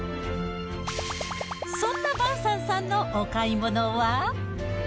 そんなヴァンサンさんのお買い物は？